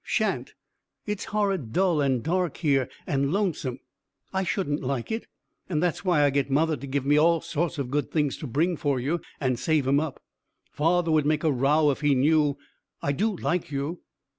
"Shan't. It's horrid dull and dark here, and lonesome. I shouldn't like it, and that's why I get mother to give me all sorts o' good things to bring for you, and save 'em up. Father would make a row if he knew. I do like you."